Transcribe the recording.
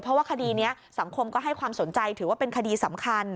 เพราะว่าคดีนี้สังคมก็ให้ความสนใจถือว่าเป็นคดีสำคัญ